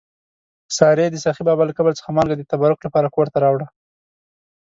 سارې د سخي بابا له قبر څخه مالګه د تبرک لپاره کور ته راوړله.